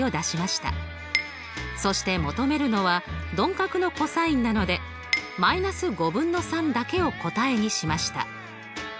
そして求めるのは鈍角のｃｏｓなので−５分の３だけを答えにしました。